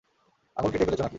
আঙুল কেটে ফেলেছ নাকি?